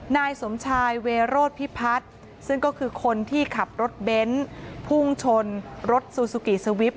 นายสมชายเวโรธพิพัฒน์ซึ่งก็คือคนที่ขับรถเบนท์พุ่งชนรถซูซูกิสวิป